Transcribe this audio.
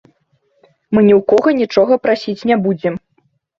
Мы ні ў кога нічога прасіць не будзем.